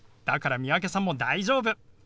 だから三宅さんも大丈夫。